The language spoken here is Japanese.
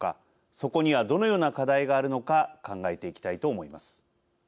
そこにはどのような課題があるのか考えていきたいと思います。